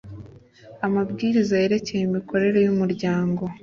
Amabwiriza yerekeye imikorere y umuryango